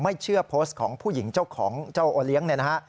ไม่เชื่อโพสต์ของผู้หญิงเจ้าของเจ้าโอเลี้ยงเนี่ยนะฮะ